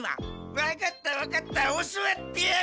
わかったわかった教わってやる。